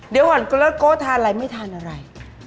เดี๋ยวหันก็แล้วก็อาทิตย์ไม่ทานอะไรไม่ทานอะไร